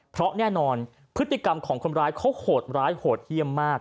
เพราะแน่นอนพฤติกรรมของคนร้ายเขาโหดร้ายโหดเยี่ยมมาก